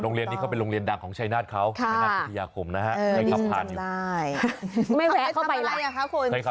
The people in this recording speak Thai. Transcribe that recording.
โรงเรียนนี้เขาเป็นโรงเรียนดังของชัยนาธิเฉยนะฮะ